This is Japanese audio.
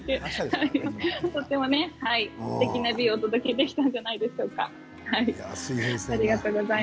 とてもすてきなビューをお届けできたんじゃないでしょうか。